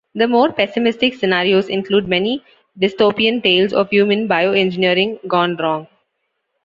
The more pessimistic scenarios include many dystopian tales of human bioengineering gone wrong.